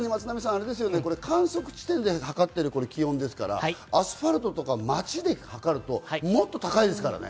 さらに松並さん、観測地点で測っている気温ですから、アスファルトとか街で測ると、もっと高いですからね。